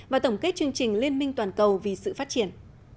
và tổng kết chương trình liên minh toàn cầu vì sự phát triển